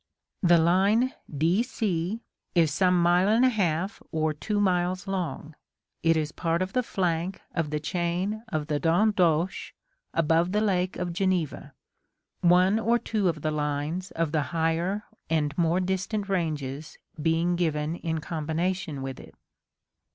The line d c is some mile and a half or two miles long; it is part of the flank of the chain of the Dent d'Oche above the lake of Geneva, one or two of the lines of the higher and more distant ranges being given in combination with it.